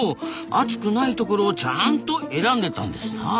熱くないところをちゃんと選んでたんですなあ。